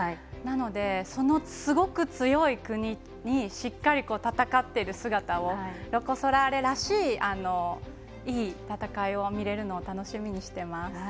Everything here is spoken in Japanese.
なので、そのすごく強い国にしっかり戦っている姿をロコ・ソラーレらしいいい戦いを見れるのを楽しみにしてます。